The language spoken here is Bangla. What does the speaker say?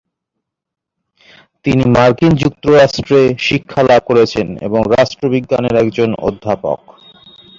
তিনি মার্কিন যুক্তরাষ্ট্রে শিক্ষা লাভ করেছেন এবং রাষ্ট্রবিজ্ঞানের একজন অধ্যাপক।